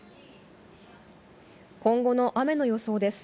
今後の雨の予想です。